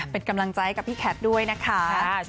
เป็นกำลังใจกับพี่แคทด้วยนะคะ